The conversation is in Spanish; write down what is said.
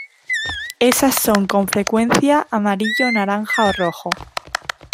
Esas son con frecuencia amarillo, naranja o rojo.